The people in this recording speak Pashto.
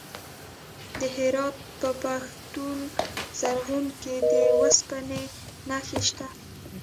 د هرات په پښتون زرغون کې د وسپنې نښې شته.